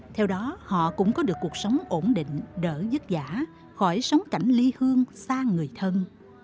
theo đó họ cũng có được cuộc sống ổn định đỡ dứt giả khỏi sống cảnh ly hương xa người thân